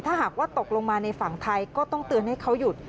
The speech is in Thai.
ถ้าหากว่าตกลงมาในฝั่งไทยก็ต้องเตือนให้เขาหยุด